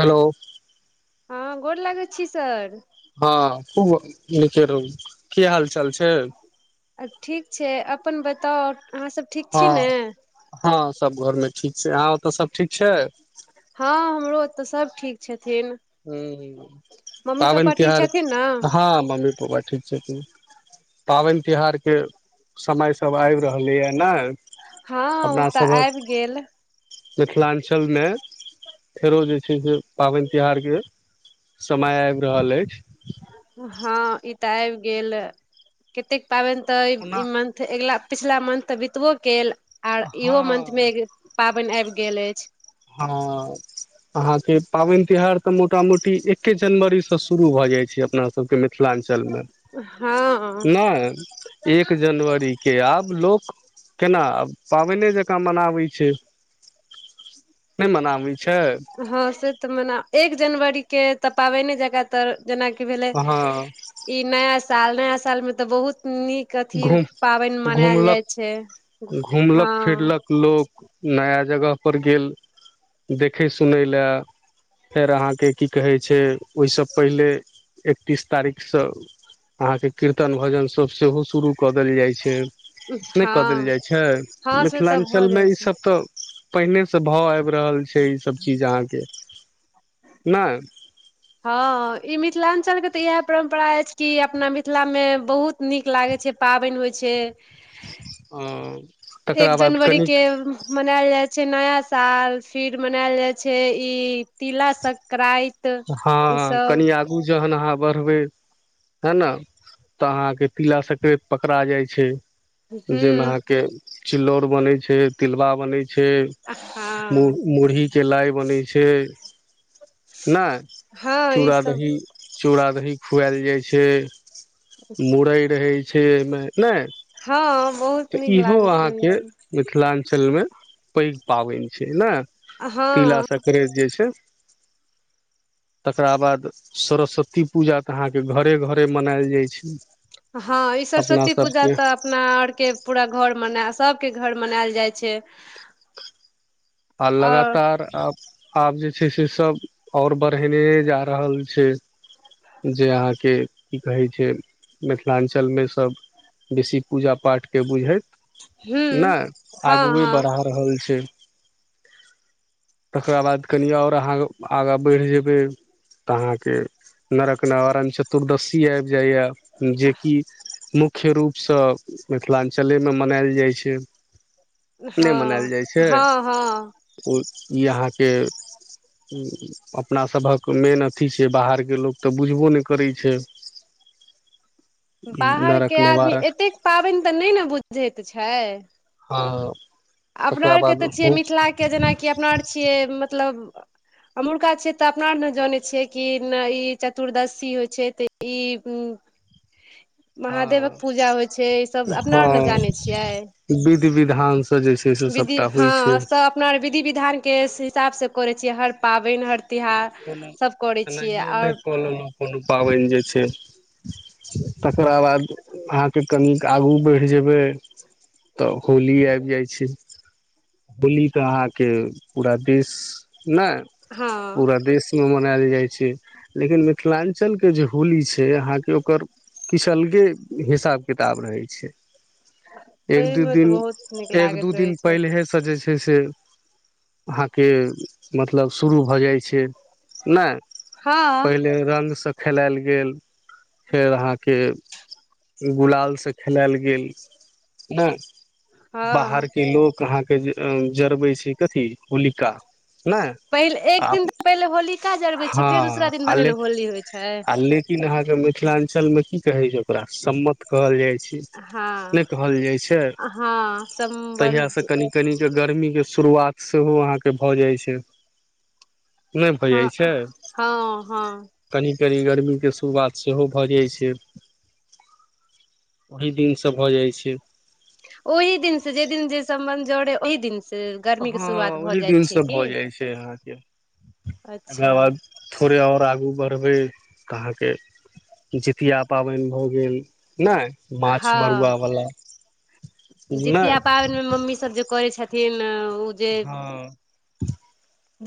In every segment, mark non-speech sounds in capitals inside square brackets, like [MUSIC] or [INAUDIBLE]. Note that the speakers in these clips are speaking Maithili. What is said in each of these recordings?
हेलो। हँ गोर लगै छी सर। हँ खूब निके रहु, की हाल चाल छै। हां ठीक छै, अपन बताउ, अहाँ सब ठीक हँ छी ने? हँ सब घर मे ठीक छै, अहां ओत सब ठीक छै। हँ हमरो ओत सभ ठीक छथिन। ह मम्मी पापा पाबनि ठीक तिहार, छथिन ने हँ मम्मी पप्पा ठीक छथिन। पाबनि तिहारके समय सभ आबि रहलैए ने, हँ ओ अपना तऽ सभक आबि गेल मिथिलाञ्चलमे फेरो जे छै से पाबनि त्यौहारके समय आबि रहल अछि। ह इ त आबि गेल, कतेक पाबनि त ओना इ मंथ त अगिला पिछला मंथ त बीतबो कयल आ इहो मंथ हँ मे पाबैन आबि गेल अछि। हां। अहाँ के पाबैन तिहार त मोटा मोटी एके जनवरीसै शुरू भ जाइ छै अपना सभके मे। मिथिलांचल मे, हँ नै। एक जनवरी के आब लोक, केना आ पाबैन जेकां। जेका मनाबै छै। नै मनाबै छै? हँ से त मना, एक जनवरी के त पाबनि जकाँ त जेनाकि भेले हँ इ नया साल, नया साल मे त बहुत नीक कथि घुम पाबैन मनायल जाइ घुमलक छै, घुमलक हँ। फिरलक लोक नया जगहपर गेल, त देखय सुनय लेए। फेर अहाँके की कहै छै, ओहिसँ पहिले, एकतीस तारीखसँ। अहाॅं के, कीर्तन भजन सब सेहो शुरू कऽ देल जाय छै। से कऽ देल हँ जाइ छै, हँ से तऽ भऽ मिथिलाञ्चल मे जाइ छै इसभ तऽ। पहिने से भाव आबि रहल छै ई सब चीज अहाँके, नाइ। हँ, ई मिथिलाञ्चलके तऽ इएह परम्परा अछि कि, अपना मिथिलामे बहुत नीक लागै छै, पाबनि होइ छै। हुं। एक जनवरी के मनायल जाइ छै नया साल, फिर मनायल जाइ छै ई, तिला संङक्रानति। हँ, कनि आगू जहन अहाँ बढ़बै। हे न, तऽ अहाँके तिला संक्रा्त पकड़ा जाय छै। जहिमे हूँ अहाँके चिलौर बनैत छै, तिलबा बनैत छै। मु हँ मुरही के लाइ बनै छै। नहि हँ चूड़ ई सब -दही, चूड़ा -दही खुआएल जाइ छै। मुड़ै रहै छै ओहिमे, नहि? हँ, बहुत तऽ नीक इहो लागैत रहै अहाँके छै। मिथिलाञ्चलमे पैघ पाबनि छै, ने हँ तिला सक्त करेज जे छै [INAUDIBLE] तकरा बाद सरस्वती पूजा तऽ अहाँके घरे- घरे मनायल जाइत छै। हँ, ई अपना सरस्वती पूजा सबके तऽ अपना आरके पूरा घर मनाल सभके घर मनायल जाइ छै। आ आओर लगातार आब। आब जे छै से, सब आओर बढ़ेने जा रहल छै। जे अहाँके की कहैत छै, मिथिलाञ्चलमे सभ। बेसी पूजा पाठके बुझैत हूँ ने, हँ आगुए हँ बढ़ा रहल छै। तकरा बाद कनि आओर अहाँ आगाँ बढ़ि जेबै। तऽ अहाँके, नरक नवारण चतुर्दशी आबि जाइए, जेकि मुख्य मुख्य रूपसँ, मिथिलाञ्चलेमे मनायल जाइ छै। नहि मनायल हँ जाइत छै? हँ हँ। ई अहाँके अपनासभक मेन अथी छै, बाहरके लोक तऽ बुझबो नहि करैत छै। [INAUDIBLE] बाहरके नरक आदमी नवारा एतेक पाबनि तऽ नहि ने बुझैत छै। हँ। अपना तकरा आरके बाद तऽ छियै मिथिलाके, जेनाकि अपना आर छियै मतलब। एमुहरका छियै तऽ अपना आर ने जानै छियै कि ने ई चतुर्दशी होइ छै त। इ हूँ। हँ छै ई सब अपना आर ने हँ। जानै छियै [UNINTELLIGIBLE] विधि -विधान से जे छै। से विधि सभटा होइ छै हँ तऽ अपना आर विधि- विधानके हिसाबसँ करैत छियै, हर पाबनि, हर तिहार, कोनो सभ करैत छियै, एनाहिए नहि आओर। कऽ लेलहुँ कोनो पाबनि जे छै, तकरा बाद अहाँके कनि आगू बढ़ जेबै तऽ होली आबि जाय छै। दिल्ली तऽ अहाँके पूरा देश नै, हँ पूरा देश। [INAUDIBLE] मनायल जाइ छै, लेकिन मिथिलांचलकऽ जे होली छै अहाँके ओकर। [UNINTELLIGIBLE] किछु अलगे हिसाब किताब रहै छै। एक दू ओहिमे तऽ दिन, बहुत नीक एक लागैत दू रहै दिन छै पहिले स। [UNINTELLIGIBLE] जे छै से अहाँके मतलब शुरू भऽ जाइ छै। [UNINTELLIGIBLE] नहि, हँ पहिले रंगसँ खेलायल गेल, फेर अहाँके। [UNINTELLIGIBLE] गुलाल से खेलल गेल ने हँ बाहर के लोक अहाँ। [UNINTELLIGIBLE] के जरबे छै कथी होलिका। [UNINTELLIGIBLE] नहि पहिले आ एक दिन अप तऽ पहिले होलिका जरबै छै हँ फेर दूसरा दिन आ भने लेक ने होली होइ छै आ लेकिन। [INAUDIBLE] लेकिन अहाँके मिथिलांचल मे की कहै छै। [UNINTELLIGIBLE] ओकरा सम्मत कहल जाइ छै, हँ नहि कहल जाइ छै? [UNINTELLIGIBLE] हँ तहिया से सम्बन्ध कनि कनि के गर्मी के शुरुआत सेहो अहाँके भऽ जाइत छै। [UNINTELLIGIBLE] नहि भऽ हँ जाइ छै। हँ हँ [UNINTELLIGIBLE] कनि -कनि गर्मीके शुरुआत सेहो भऽ जाइत छै। [UNINTELLIGIBLE] ओहि दिनसँ भऽ जाइत छै। ओहि दिन से जे दिन जे सम्मत जरै, ओहि दिन से। गर्मी के हँ शुरुआत भऽ ओहि जाइत दिन छै से की भऽ जाइ छै अहाँके, एकरा अच्छा बाद। थोड़े आओर आगू बढ़बै तऽ अहाँके। [UNINTELLIGIBLE] जितिया पाबनि भऽ गेल ने। [UNINTELLIGIBLE] माछ हँ मरुआवला नै। जितिया [UNINTELLIGIBLE] पाबनिमे मम्मी सब जे करे छथिन ओ। जे हँ। [UNINTELLIGIBLE]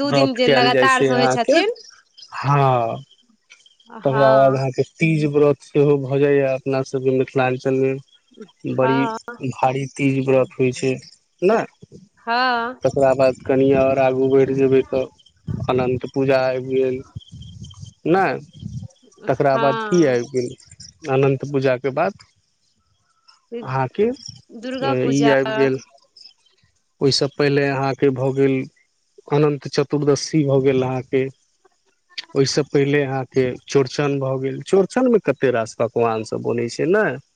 दू दिन व्रत जे कयल जाइ लगातार छै से होइ अहाँके छथिन हँ। [UNINTELLIGIBLE] तकरा बाद हँ अहाँके तीज व्रत सेहो भऽ जाइए अपनासभके मिथिलांचलमे। [UNINTELLIGIBLE] बड़ी हँ भारी तीज व्रत होइ छै ने। हँ [UNINTELLIGIBLE] ओकरा बाद कनि आओर आगू बढ़ि जेबै तऽ, अनन्त पूजा आबि गेल। [UNINTELLIGIBLE] नहि। [UNINTELLIGIBLE] तकरा बाद की हँ आबि गेल अनन्त पूजाके बाद। [UNINTELLIGIBLE] अहाँके दुर्गा ई पूजा आबि गेल। [UNINTELLIGIBLE] ओहिसँ पहिले अहाँके भऽ गेल। अनंत चतुर्दशी भऽ गेल अहाँके। [UNINTELLIGIBLE] ओहिसँ पहिले अहाँके चौड़चन भए गेल चौड़चन मे कते रास पकवान सब बनैत छै ने। [UNINTELLIGIBLE] [INAUDIBLE]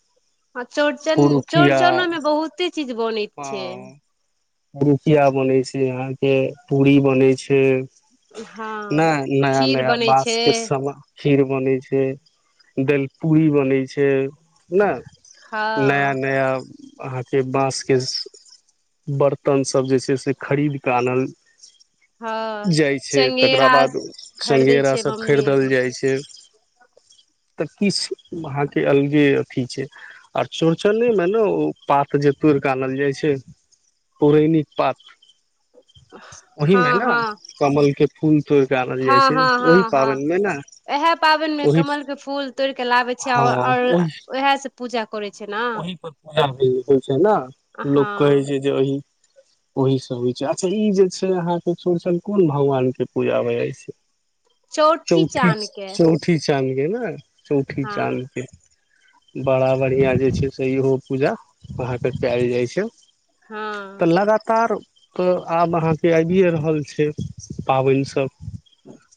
ह चौड़चन पुरुकिया चौड़चनो में बहुते चीज बनैत छै। पुरूकिया बनै छै अहाँके, पूरी बनै छै। [UNINTELLIGIBLE] हँ नहि नया खीर -नया बनै छै बाँसके समान। [UNINTELLIGIBLE] खीर बनै छै, दालि पूरी बनै छै। [UNINTELLIGIBLE] ने हँ नया- नया अहाँके बाँसके। [UNINTELLIGIBLE] बर्तनसभ जे छै से, खरीद कऽ आनल। [UNINTELLIGIBLE] हँ जाइ छै तकरा चंगेरा बाद खरीदै छै चंगेरासभ मम्मी खरीदल अरी जाइ छै। [UNINTELLIGIBLE] तऽ किछु अहाँके अलगे अथी छै। [UNINTELLIGIBLE] आर चौड़चने में ने ओ पात जे तोड़ि के आनल जाइ छै। पुरेणिक पात ओहि हँ मे ने, हँ कमल के फूल तोड़ के आबल जाइ हँ छै, हँ हँ ओहि हँ पाबनिमे ने, ओहि तोड़िक लाबै छै, हँ आओर ओहि ओएह से पूजा करै छै ने। ओहि पर होइ छै ना लोक होइ हँ छै जे अही ओही से होइ छै, अच्छा ई जे छै अहाँके चौरचन कोन भगवान के पूजा होइ ऐछ? चौठी चाँद के चौठी-चौ ठी चान्द के न चौठी हँ चान्द के बड़ा बढ़िया जे छै से इहो पूजा अहाँ के केल जाइ छै हँ तऽ लगातार तऽ आब अहाँके ऐबिए रहल छै पाबैन-सब।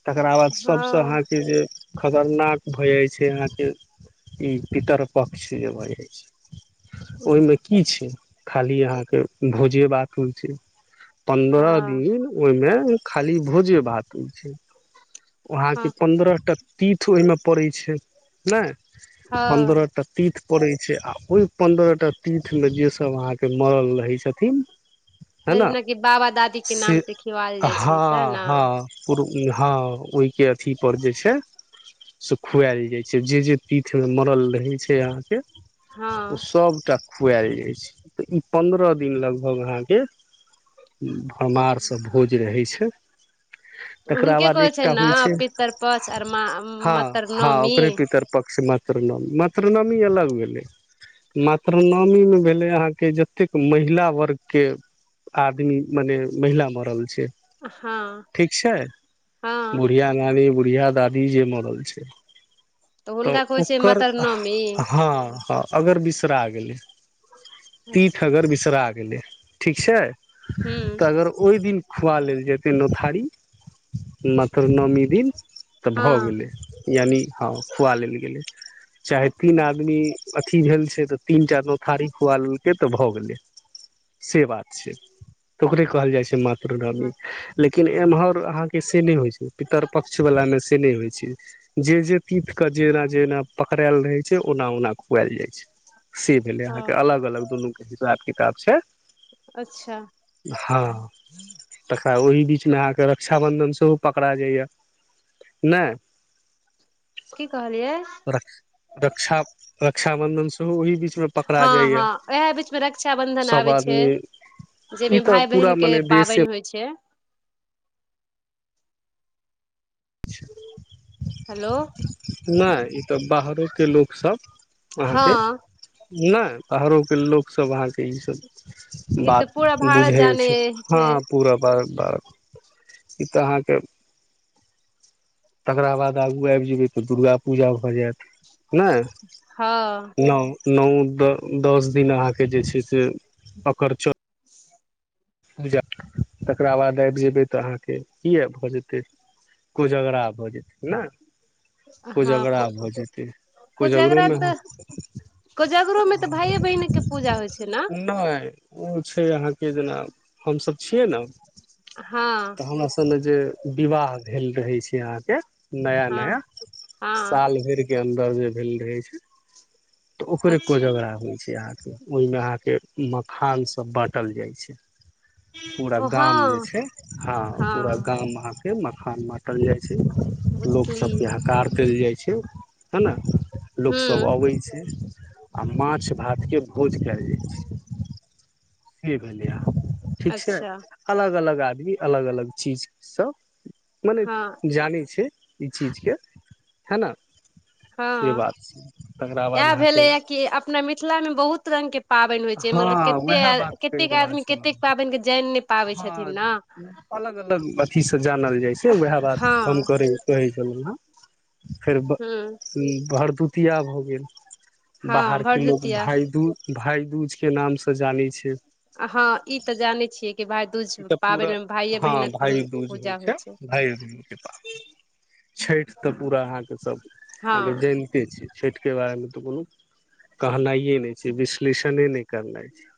तेकरा वाद सबसे हँ अहाँके-जे खतरनाक भऽ जै छै अहाँके ई पितर-पक्ष जे भऽ जै छै। ओइमें की छै? खाली अहाँके भोजे-बात होइ छै। पन्द्रह हँ दिन ओइमें खाली भोजे-भात ओइ छै। ओ अहाँके हँ पन्द्रह-टा तीथ ओइ में पड़ै छै। नै, हँ पन्द्रह-टा तीथ पड़ै छै आ ओइ पन्द्रह- टा तीथ में जे स सब अहाँके मरल रहै छथिन है न जेनाकि बाबा दादी के से नाम पे खिवाल जाइ छै सएह ने हँ-हँ पूर्व इ हँ, ओइके अथी पर जे छै से खुएल जै छै जे-जे पीठ में मरल रहै छै अहाँके, ओ हँ सबटा खुएल जै छै, तऽ ई पन्द्रह दिन लगभग अहाँके भमार स भोज रहै छै। तकरा हुनके बाद कहै एकटा छैन ना होइ छै पित्तर पछ आर मा- मत्तर नमी? तर-पक्ष, मात्रनमी मात्र-नमी अलग भेलै। मात्र-नामी मे भेलै अहाँ के ज तेक महिला वर्ग के आदमी मने महिला मरल छै। हँ। ठीक छै हँ बुढ़िया नानी, बुढ़िया दादी जे मरल छै। तऽ हुनका कहै छै ओक्कर मतरनवमी हँ-ह। अगर बिसरा गेलै, तीथ अच्छा अगर बिसरा गेलै ठीक छै? हूँ तऽ अगर ओइ दिन खुआ लेल जेतै नोथारी मात्र नौमी दिन तऽ भऽ हँ गेलै यानि हँ खुआ लेल गेलै, चाहे तीन अच्छा आदमी अथी भेल छै तऽ तीन-टा नोथारी खुआ लेलकै तऽ भऽ गेलै। से बात छै, तऽ ओकरे कहल जाइ छै मात्र-नामी लेकिन एमहर अहांक के से नै होइ छै, पितर-पक्ष वला में से नै होइ छै। जे-जे तीथ के जेना-जेना पकरेल रहै छै, ओना- ओना खुएल जै छै। से भेलै अहाँके, हँ अलग-अलग दुनू के हिसाब किताब छै। च्छा। हँ तकरा ओहि बीच मे अहाँ के रक्ष क्षा बंधन सेहो पकड़ा जाइये नै? की कहलियै? रक्षा-रक्षाबंदन सेहो ओही बीच में हँ-हँ ओहे बीच में रक्षा-बंधन सब आबै छै। आदमी ई जैबें तऽ पूरा भाय-बहिनक के मने देशे पाबैन होइ छै। हलो नैं, इ तऽ बाहरोके लोकसब अहाँके हँ नैं, बाहरोके लोक सब अहाँके इ सब ई तऽ बात पूरा भारत बुझहै जाने छै, हँ पूरा बार-बार इ तऽ अहाँके तकरा बाद आगू आबि जेबै तऽ दुर्गा पूजा भऽ जायत, ने। हँ नव, नव दस दिन अहाँके जे छै से, अकर चो [UNINTELLIGIBLE] तकरा बाद आबि जेबै तऽ अहाँके किया भऽ जेतै? कोजगरा भ जेते ने। हँ कोजगरा को भ जेतै, कोजगरो कोजगरा मे है। तऽ कोजगरो मे तऽ भाइये बहिन के पूजा होइ छै ने [UNINTELLIGIBLE] नय ओ छै अहाँके जेना, हम सभ छियै ने। हँ। तऽ हमरा सब मे जे विवाह भेल रहै छै अहाँके। नया हँ -नया हँ साल भरि के अन्दर जे भेल रहे छै। तऽ ओकरे अच्छा कोजगरा होइ छै अहाँके, ओहिमे अहाँके मखान सब बाँटल जाइ छै। पूरा ओ गाम जे हँ छै, हँ पूरा गाम अहाँके मखान बा बाटल जाइ छै, लोक बुझली सबके हकार देल जाइ छै है। लोक सभ हूँ अबै छै, आ माछ -भात के भोज कयल जाइ छै। से भेलै अहाँ के, ठीक छै अच्छा अलग -अलग आदमी, अलग- अलग चीज सब मने हँ जाने छै ई चीज के, हैना! से बात छै। तकरा बाद इह भेले अहाँके य कि, अपना मिथिला में बहुत रंग के पाबैन होइ छै, हँ मतलब कते उएह बात कहि कतेक रहल आदमी छलहुँ कतेक पाबैन के जान ने। हँ, अलग -अलग अथी सँ जानल जाइ छै, उएह बात हम हँ करे कहै छलहु हँ, फेर भ हूँ भरदुतिया भ गेल। बाहर हँ के लोग, भरदुतिया भाइदूज भाईदूज के नाम से जाने छै। हँ ई तऽ जाने छियै कि भाइ ई तऽ पूरा हँ भाय दूज होइ छै, भाय दूज। पाबैन छठि तऽ पूरा अहाँके सब अहा हँ जैन। [UNINTELLIGIBLE] क छै छठिके बारे मे तऽ कोनो कहनाइए नय छै, विश्लेषणे नय करनाइह छै।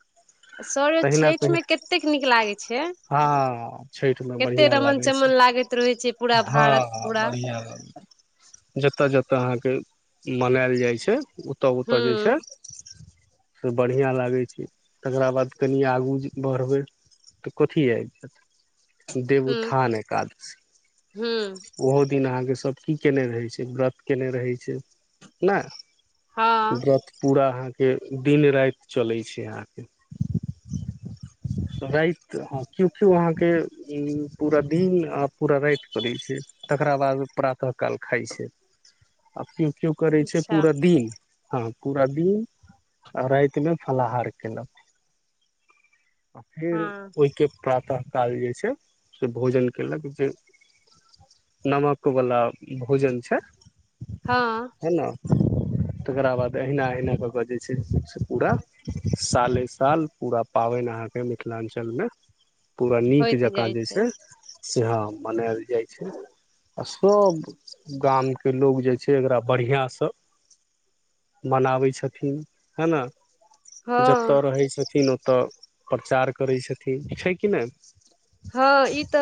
सर यो तहिना छठि तहि मे कतेक नीक लागै छै। हँ छठि मे कते बढ़िआँ रमन लागै छै, चमन लागैत रहै छै पूरा हँ भारत पूरा बढ़िआँ लागै छै। जतय -जतय अहाँके मनायल जाइ छै, ओतय -ओतय जे छै। हूँ से बढ़िआँ लागै छै, तकरा बाद कनिये आगू बढ़बै। तऽ कथी ऐब जैत, उ देवोथान हूँ एकादशी। ओहो दिन अहाँके सभ की केने रहै छै, व्रत केने रहै छै, ने। हँ व्रत पुरा अहा के जे दिन- राईत चले छै आहा के [UNINTELLIGIBLE] राइत तऽ हँ केयओ -केओ अहाँके, पूरा दिन आ पूरा राति करै छै। तकरा बाद प्रातः काल खाइ छै, आ केओ -केओ करै छै अच्छा पूरा दिन। हँ पूरा दिन, आ राति मे फलाहार केलक। आ फेर हँ ओहिके प्रातः काल जे छै, से भोजन केलक। जे नमक वला भोजन छै। हँ। है ने, तकरा बाद अहिना -अहिना कऽ कऽ जे छै। पूरा साले -साल पूरा पाबैन अहाँके मिथिलाञ्चल मे। पूरा नीक होइत जकाँ जाइ जे छै, से हँ मनायल जाइ छै। आ सभ गाम के लोक जे छै, एकरा बढ़िआँ सँ मनाबै छथिन। है न। हँ जत रहै छथिन ओत प्रचार करै छथिन छै कि नै। हँ ई त